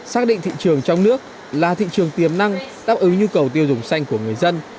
xác định thị trường trong nước là thị trường tiềm năng đáp ứng nhu cầu tiêu dùng xanh của người dân